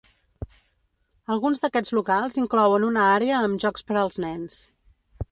Alguns d'aquests locals inclouen una àrea amb jocs per als nens.